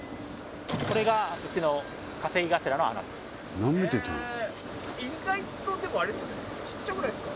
これがうちの稼ぎ頭の穴です